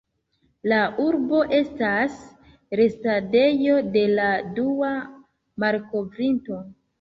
La urbo estas restadejo de la dua malkovrinto.